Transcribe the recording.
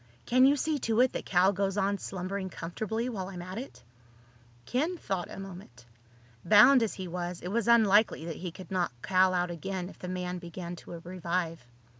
Can you see to it that Cal goes on slumbering comfortably while I'm at it?" Ken thought a moment. Bound as he was, it was unlikely that he could knock Cal out again if the man began to revive.